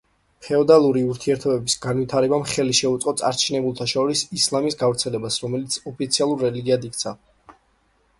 ფეოდალური ურთიერთობის განვითარებამ ხელი შეუწყო წარჩინებულთა შორის ისლამის გავრცელებას, რომელიც ოფიციალურ რელიგიად იქცა.